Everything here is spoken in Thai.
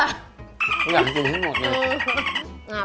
เขาอยากกินให้หมดเลย